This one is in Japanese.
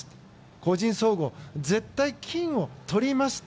個人総合、絶対金をとります。